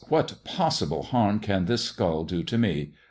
what possible harm can this skull do to me?